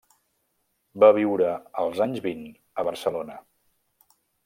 Va viure als anys vint a Barcelona.